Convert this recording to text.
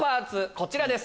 こちらです。